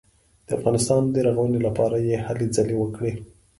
د افغانستان د رغونې لپاره یې هلې ځلې وکړې.